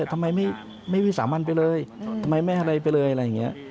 ทำไมไม่วิสามันไปเลยทำไมไม่ให้อะไรไปเลยอะไรอย่างนี้